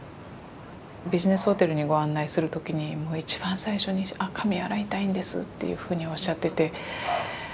ビジネスホテルにご案内する時に一番最初にっていうふうにおっしゃってて。